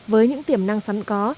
với những tiềm năng sẵn có